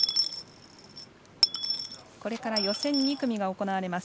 これから予選２組が行われます。